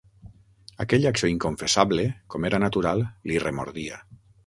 Aquella acció inconfessable, com era natural, li remordia.